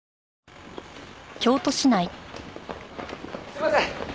すいません！